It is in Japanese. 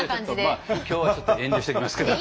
今日はちょっと遠慮しときますけど。